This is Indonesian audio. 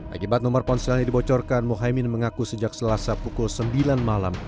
akibat nomor ponselnya dibocorkan mohaimin mengaku sejak selasa pukul sembilan malam